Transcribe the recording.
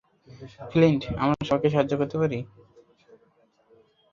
Flint, আমরা সবাইকে সাহায্য করতে পারি।